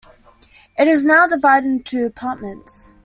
It is now divided into apartments.